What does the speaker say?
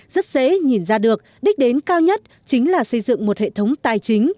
rất dễ nhìn ra được đích đến cao nhất chính là xây dựng một hệ thống tài chính